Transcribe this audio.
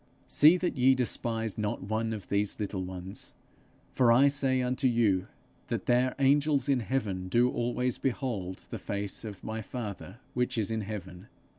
'See that ye despise not one of these little ones; for I say unto you that their angels in heaven do always behold the face of my father which is in heaven....